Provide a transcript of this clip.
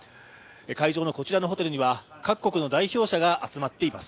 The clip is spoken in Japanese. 会場のこちらのホテルには各国の代表者が集まっています。